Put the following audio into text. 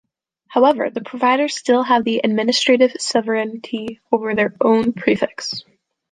However, the providers still have the administrative sovereignty over their own prefix.